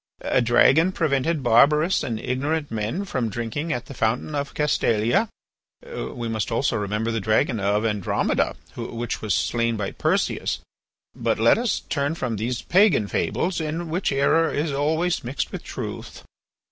A dragon prevented barbarous and ignorant men from drinking at the fountain of Castalia. We must also remember the dragon of Andromeda, which was slain by Perseus. But let us turn from these pagan fables, in which error is always mixed with truth.